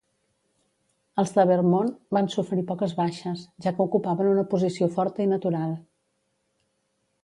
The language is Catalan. Els de Vermont van sofrir poques baixes, ja que ocupaven una posició forta i natural.